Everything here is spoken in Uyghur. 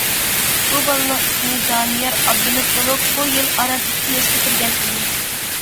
بۇ بالىنىڭ ئىسمى دانىيار ئابلىمىت بولۇپ، بۇ يىل ئاران ئىككى ياشقا كىرگەن ئىدى.